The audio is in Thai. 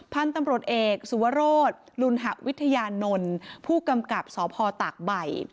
พันธุ์ตำรวจเอกสุวรสลุณหวิทยานนท์ผู้กำกับสพตากใบ